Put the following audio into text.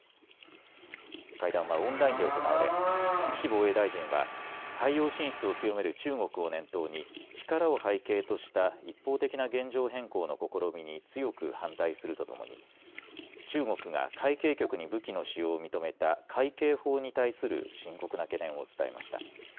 会談はオンラインで行われ岸防衛大臣は海洋進出を強める中国を念頭に力を背景とした一方的な現状変更の試みに強く反対するとともに中国が海警局に武器の使用を認めた海警法に対する深刻な懸念を伝えました。